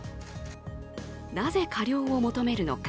なぜ過料を求めるのか。